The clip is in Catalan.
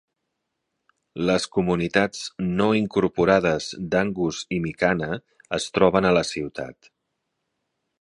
Les comunitats no incorporades d'Angus i Mikana es troben a la ciutat.